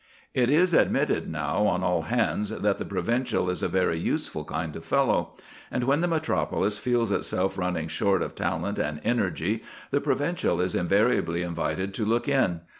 It is admitted now on all hands that the provincial is a very useful kind of fellow; and when the metropolis feels itself running short of talent and energy, the provincial is invariably invited to look in.